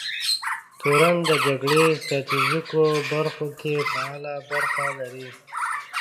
تورن د جګړې ستراتیژیکو برخو کې فعاله برخه لري.